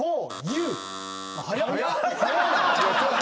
早っ。